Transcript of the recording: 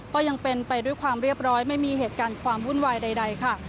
ก็ยังเป็นไปด้วยความเรียบร้อยไม่มีเหตุการณ์ความวุ่นวายใดค่ะ